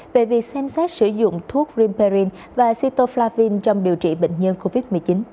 về việc xem xét sử dụng thuốc rimperin và cetoflavine trong điều trị bệnh nhân covid một mươi chín